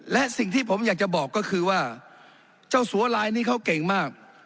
และสิ่งที่ผมอยากจะบอกก็คือว่าเจ้าสัวลายนี้เขาเก่งมาก